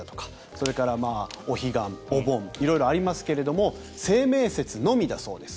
それからお彼岸、お盆色々ありますけど清明節のみだそうです。